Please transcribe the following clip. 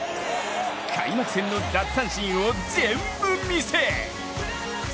開幕戦の奪三振をぜんぶ見せ！